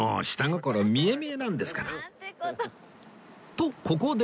とここで